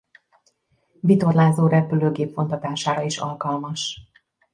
Vitorlázó repülőgép vontatására is alkalmas.